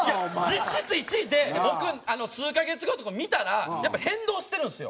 実質１位で僕数カ月後とかに見たらやっぱ変動してるんですよ